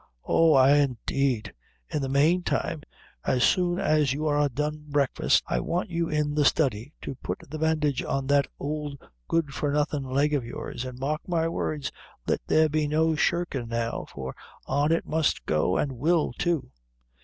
Oh, ay, indeed! In the mane time, as soon as you are done breakfast, I want you in the study, to put the bindage on that ould, good for nothin' leg o' yours; an' mark my words, let there be no shirkin' now, for on it must go, an' will, too.